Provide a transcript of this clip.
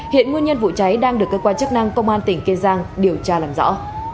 hiện nguyên nhân vụ cháy đang được cơ quan chức năng công an tỉnh kiên giang điều tra làm rõ